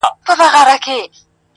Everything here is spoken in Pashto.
په زړه سخت لکه د غرونو ځناور وو،